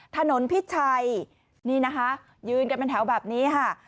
ถนนพิชัยนี่นะคะยืนกันเป็นแถวแบบนี้ค่ะ